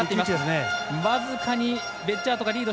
僅かにベッジャートがリード。